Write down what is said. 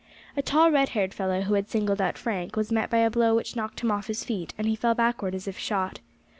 A tall red haired fellow who had singled out Frank, was met by a blow which knocked him off his feet, and he fell backward as if shot.